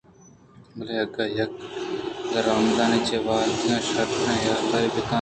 بلے اگاں یکّے درآمدانی چہ وتیگاں شرتر حیالداری ءَ بہ کنت